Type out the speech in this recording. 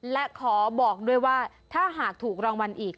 และขอบอกด้วยว่าถ้าหากถูกรางวัลอีก